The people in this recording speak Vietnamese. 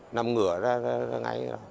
nằm ngửa ra ngay